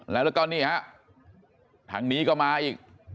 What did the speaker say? แล้วก็นี่ฮะทางนี้ก็มาอีก